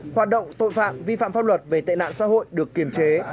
hoạt động tội phạm vi phạm pháp luật về tệ nạn xã hội được kiềm chế